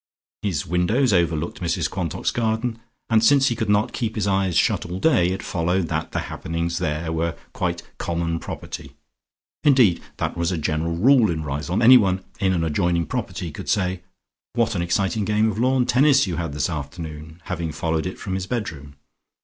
His windows overlooked Mrs Quantock's garden, and since he could not keep his eyes shut all day, it followed that the happenings there were quite common property. Indeed that was a general rule in Riseholme: anyone in an adjoining property could say, "What an exciting game of lawn tennis you had this afternoon!" having followed it from his bedroom.